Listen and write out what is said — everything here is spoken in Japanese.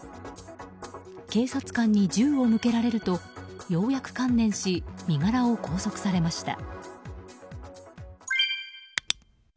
警察官に銃を向けられるとようやく観念し身柄を拘束されました。